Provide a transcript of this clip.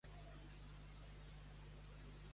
A l'òpera és la base moltes àries.